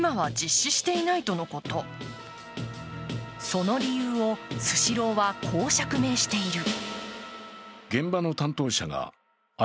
その理由をスシローはこう釈明している。